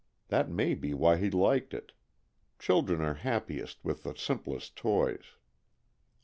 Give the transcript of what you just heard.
That may be why he liked it. Children are happiest with the simplest toys.